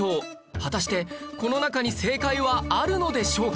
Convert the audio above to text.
果たしてこの中に正解はあるのでしょうか？